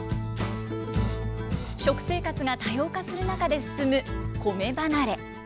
食生活が多様化する中で進む米離れ。